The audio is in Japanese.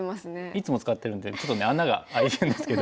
いつも使ってるんでちょっとね穴が開いてるんですけど。